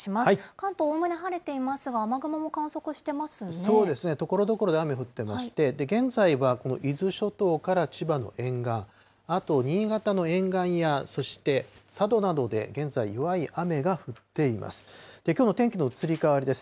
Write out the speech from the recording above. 関東、おおむね晴れていますが、そうですね、ところどころで雨降ってまして、現在は伊豆諸島から千葉の沿岸、あと新潟の沿岸やそして佐渡などで現在、弱い雨が降っています。